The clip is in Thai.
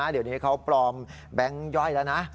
เดี๋ยวนี้เขาปลอมแบงค์ย่อยแล้วนะ